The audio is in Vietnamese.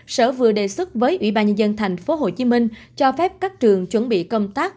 sở vừa đề xuất với ủy ban nhân dân tp hcm cho phép các trường chuẩn bị công tác